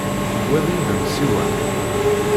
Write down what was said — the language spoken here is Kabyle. Tewwiḍ yid-m ssiwan?